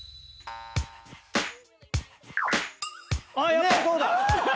やっぱそうだ！